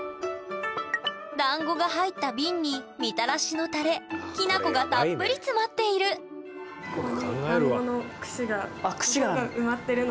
だんごが入った瓶にみたらしのタレきな粉がたっぷり詰まっているここにあ串がある。